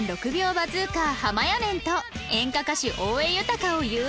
バズーカーはまやねんと演歌歌手大江裕を誘惑！